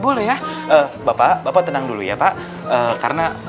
boleh ya bapak bapak tenang dulu ya pak